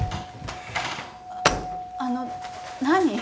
あっあの何？